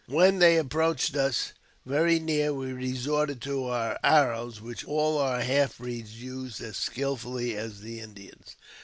When they approached us very near we resorted to our arrows, which all our half breeds used as skilfully as the Indians.